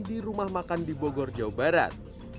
di rumah makan di bogor jawa barat